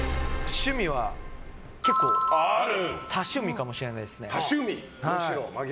趣味は結構多趣味かもしれないです。